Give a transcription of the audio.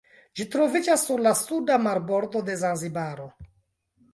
Ĝi troviĝas sur la suda marbordo de Zanzibaro.